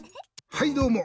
はいどうも！